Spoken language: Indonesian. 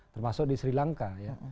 termasuk di sri lanka ya